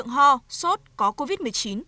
ho sốt có covid một mươi chín